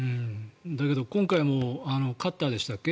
だけど今回もカッターでしたっけ